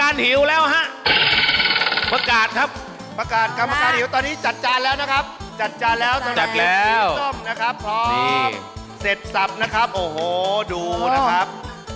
นี่เสร็จสับนะครับโอ้โหดูนะครับ